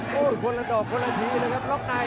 พวกละดอกคนละทีลดใน